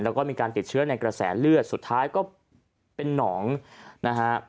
แล้วก็มีการติดเชื้อในกระแสเลือดสุดท้ายก็เป็นหนองนะฮะ